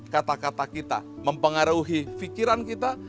kata kata kita mempengaruhi pikiran kita